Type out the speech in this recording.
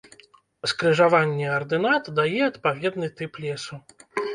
Скрыжаванне ардынат дае адпаведны тып лесу.